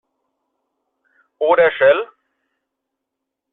Oder Shell?